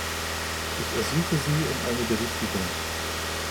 Ich ersuche Sie um eine Berichtigung.